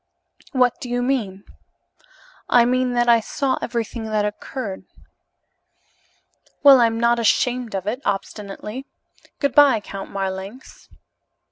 "What do you mean?" "I mean that I saw everything that occurred." "Well, I'm not ashamed of it," obstinately. "Good bye, Count Marlanx."